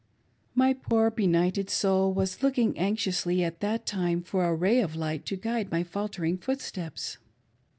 My poor, benighted soul was looking anxiously at that time for a ray of light toj guide my faltering footsteps.